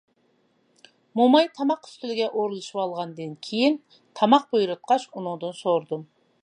موماي تاماق ئۈستىلىگە ئورۇنلىشىۋالغاندىن كېيىن تاماق بۇيرۇتقاچ ئۇنىڭدىن سورىدىم.